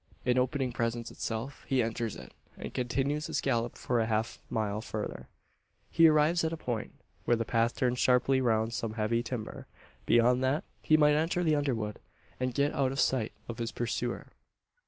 An opening presents itself. He enters it; and continues his gallop for a half mile further. He arrives at a point, where the path turns sharply round some heavy timber. Beyond that, he might enter the underwood, and get out of sight of his pursuer.